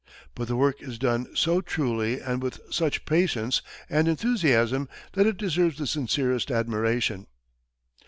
But the work is done so truly and with such patience and enthusiasm that it deserves the sincerest admiration.